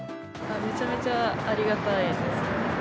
めちゃめちゃありがたいです。